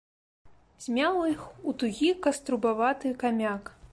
Змяў іх у тугі каструбаваты камяк.